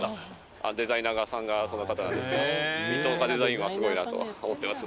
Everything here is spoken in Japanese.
デザイナーさんがその方なんですけど水戸岡デザインはすごいなとは思ってます。